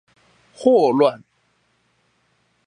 霍亂